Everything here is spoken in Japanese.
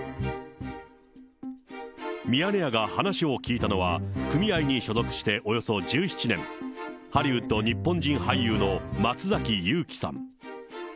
ミヤネ屋が話を聞いたのは、組合に所属しておよそ１７年、ハリウッド日本人俳優の松崎悠希さん。